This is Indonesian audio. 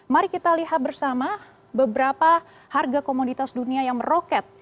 mari kita lihat bersama beberapa harga komoditas dunia yang meroket